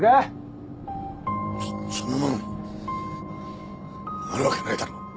そそんなものあるわけないだろ。